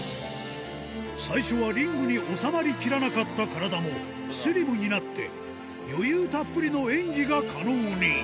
最初はリングに収まりきらなかった体もスリムになって余裕たっぷりの演技が可能に